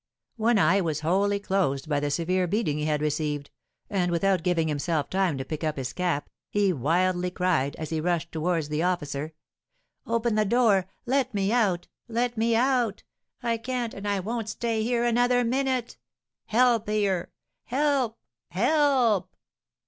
One eye was wholly closed by the severe beating he had received, and without giving himself time to pick up his cap, he wildly cried, as he rushed towards the officer: "Open the door! Let me out let me out! I can't and I won't stay here another minute. Help, here! Help, help!"